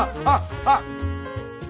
あっ！